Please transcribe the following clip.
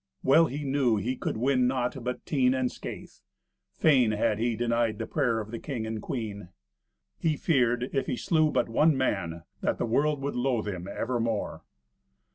Well he knew he could win naught but teen and scathe. Fain had he denied the prayer of the king and queen. He feared, if he slew but one man, that the world would loathe him evermore.